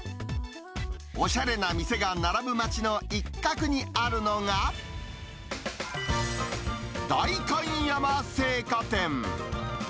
おしゃれな店が並ぶ街の一角にあるのが、代官山青果店。